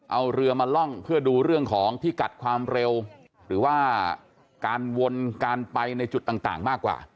เอาเรือมาล่องเพื่อดูเรื่องของพิกัดความเร็วหรือว่าการวนการไปในจุดต่างมากกว่า